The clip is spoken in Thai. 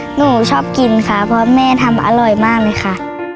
หนูชอบกินค่ะเพราะแม่ทำอร่อยมากเลยค่ะ